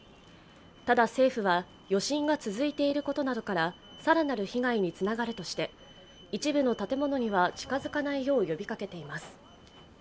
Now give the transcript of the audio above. ただ政府は余震が続いていることなどから更なる被害につながるとして一部の建物には近づかないよう呼びかけています。